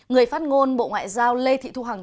người phát ngôn bộ ngoại giao lê thị thu hằng